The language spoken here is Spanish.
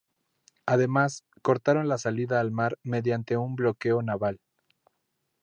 Además, cortaron la salida al mar mediante un bloqueo naval.